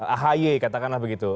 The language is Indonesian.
ahy katakanlah begitu